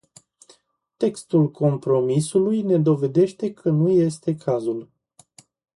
Textul compromisului ne dovedește că nu este cazul.